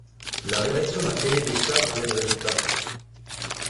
La rédaction d'un cahier des charges en est le résultat.